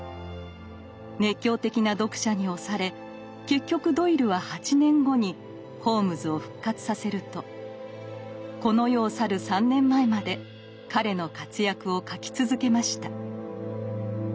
熱狂的な読者に押され結局ドイルは８年後にホームズを復活させるとこの世を去る３年前まで彼の活躍を書き続けました。